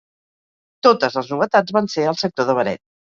Totes les novetats van ser al sector de Beret.